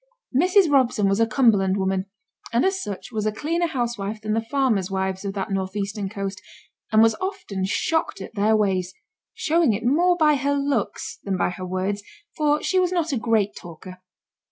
Mrs. Robson was a Cumberland woman, and as such, was a cleaner housewife than the farmers' wives of that north eastern coast, and was often shocked at their ways, showing it more by her looks than by her words, for she was not a great talker.